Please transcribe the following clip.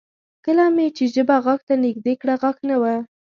کله مې چې ژبه غاښ ته نږدې کړه غاښ نه و